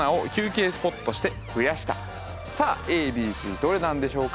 さあＡＢＣどれなんでしょうか？